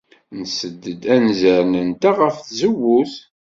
Nessed-d anzaren-nteɣ ɣef tzewwut.